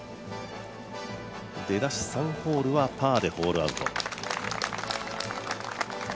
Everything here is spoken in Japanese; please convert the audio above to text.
出だし３ホールはパーでホールアウト。